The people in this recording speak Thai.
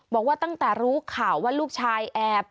บอกว่าตั้งแต่รู้ข่าวว่าลูกชายแอบ